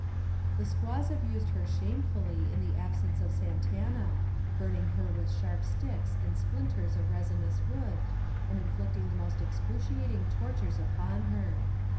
The squaws abused her shamefully in the absence of Santana, burning her with sharp sticks and splint ers of resinous wood, and inflicting the most excruci ating tortures upon her.